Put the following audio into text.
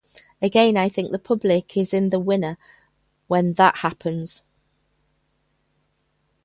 Again, I think the public is the winner when that happens.